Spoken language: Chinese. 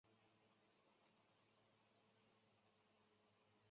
狭叶卷耳为石竹科卷耳属下的一个变种。